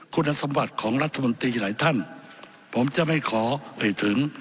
คุณสมบัติของรัฐมนตรีหลายท่านผมจะไม่ขอเอ่ยถึง